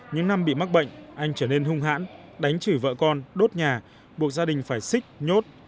những năm bị mắc bệnh anh trở nên hung hãn đánh chửi vợ con đốt nhà buộc gia đình phải xích nhốt